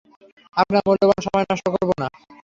আপনার মূল্যবান সময় নষ্ট করব না।